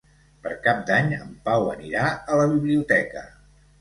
Per Cap d'Any en Pau anirà a la biblioteca.